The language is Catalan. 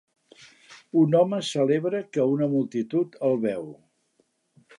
Un home celebra que una multitud el veu